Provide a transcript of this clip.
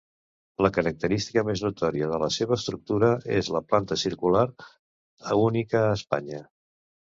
La característica més notòria de la seva estructura és la planta circular, única a Espanya.